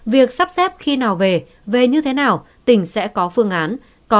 việc sắp xếp khi nào về như thế nào tỉnh sẽ có phương án